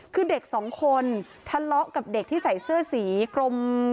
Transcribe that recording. คือเด็กสองคนทะเลาะกับเด็กที่ใส่เสื้อสีกลม